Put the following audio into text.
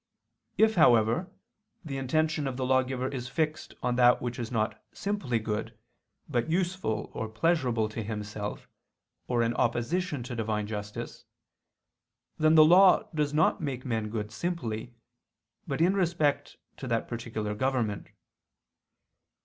If, however, the intention of the lawgiver is fixed on that which is not simply good, but useful or pleasurable to himself, or in opposition to Divine justice; then the law does not make men good simply, but in respect to that particular government.